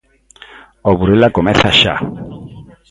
O Burela comeza xa.